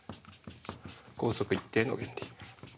「光速一定の原理」。